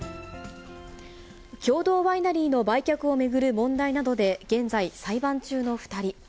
共同ワイナリーの売却を巡る問題などで現在、裁判中の２人。